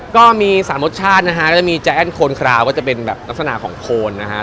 ก็มีสามรสชาตินะฮะก็จะมีใจแอ้นโคนคราวก็จะเป็นแบบลักษณะของโคนนะฮะ